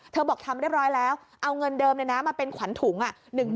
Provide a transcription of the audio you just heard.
เธอบอกทำเรียบร้อยแล้วเอาเงินเดิมเนี่ยนะมาเป็นขวัญถุงอ่ะ๑๐๐๐๐